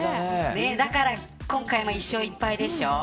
だから今回も１勝１敗でしょ。